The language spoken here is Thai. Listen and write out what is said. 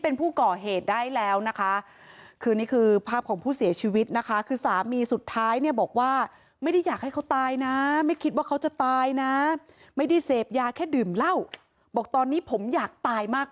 นะไม่คิดว่าเขาจะตายนะไม่ได้เสพยาแค่ดื่มเหล้าบอกตอนนี้ผมอยากตายมาก